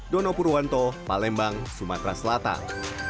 dono purwanto palembang sumatera selatan